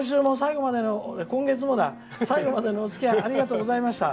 今月も最後までのおつきあいありがとうございました。